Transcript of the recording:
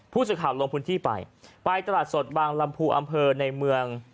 ผู้สื่อข่าวลงพื้นที่ไปไปตลาดสดบางลำพูอำเภอในเมือง